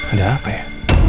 ada apa ya